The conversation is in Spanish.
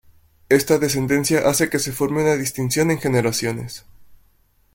Esta descendencia hace que se forme una distinción en generaciones.